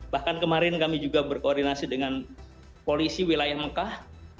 bahkan kemarin kami juga berkoordinasi dengan polisi wilayah mekah